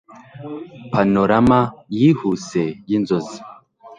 Panorama yihuse yinzozi